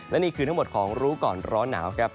และนี่คือทั้งหมดของรู้ก่อนร้อนหนาวครับ